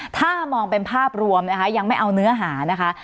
ถ้ามองเป็นภาพรวมนะคะยังไม่เอาเนื้อหานะคะ